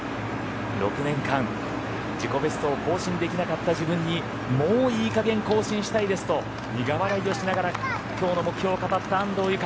６年間、自己ベストを更新できなかった自分にもういい加減更新したいですと苦笑いをしながらきょうの目標を語った安藤友香。